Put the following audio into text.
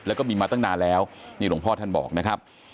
แล้วก็มีมาตั้งนานแล้วนี่หลวงพ่อท่านบอกนะครับ